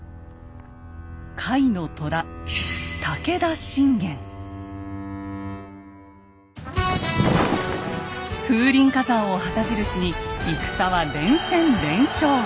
甲斐の虎「風林火山」を旗印に戦は連戦連勝。